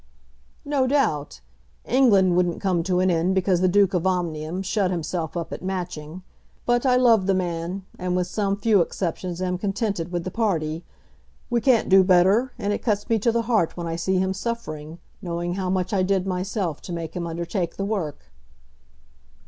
"No doubt. England wouldn't come to an end because the Duke of Omnium shut himself up at Matching. But I love the man, and, with some few exceptions, am contented with the party. We can't do better, and it cuts me to the heart when I see him suffering, knowing how much I did myself to make him undertake the work."